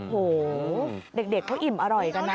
โหเด็กเขาอิ่มอร่อยกันนะ